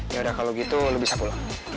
yaudah kalau gitu lu bisa pulang